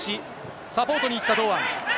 サポートに行った堂安。